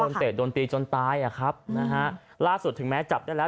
เตะโดนตีจนตายอ่ะครับนะฮะล่าสุดถึงแม้จับได้แล้ว